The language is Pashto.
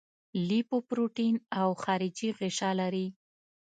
لیپوپروټین او خارجي غشا لري.